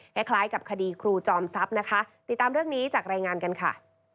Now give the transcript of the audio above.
คล้ายกับคดีครูจอมทรัพย์นะคะติดตามเรื่องนี้จากรายงานกันค่ะ